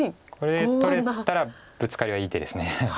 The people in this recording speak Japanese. これで取れたらブツカリはいい手です。